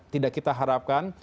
tidak kita harapkan